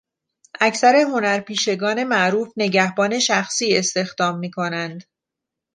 اکثر هنرپیشگان معروف نگهبان شخصی استخدام میکنند.